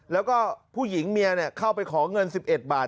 แล้วก็ผู้หญิงเมียเข้าไปขอเงิน๑๑บาท